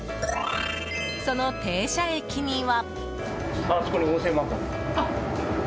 その停車駅には。